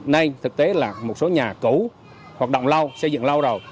nay thực tế là một số nhà cũ hoạt động lâu xây dựng lâu rồi